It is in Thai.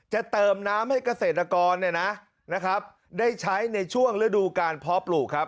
จะเติมน้ำให้เกษตรกรได้ใช้ในช่วงฤดูการเพาะปลูกครับ